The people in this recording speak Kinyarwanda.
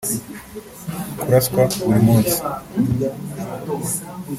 kuraswa buri munsi